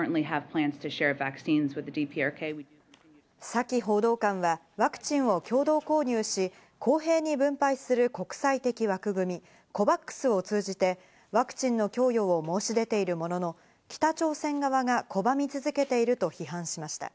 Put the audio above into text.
サキ報道官はワクチンを共同購入し、公平に分配する国際的枠組み、ＣＯＶＡＸを通じてワクチンの供与を申し出ているものの、北朝鮮側が拒み続けていると批判しました。